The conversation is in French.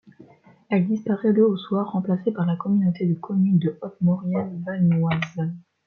Elle disparait le au soir, remplacée par la communauté de communes de Haute Maurienne-Vanoise.